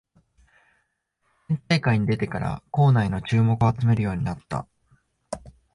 県大会に出てから校内の注目を集めるようになった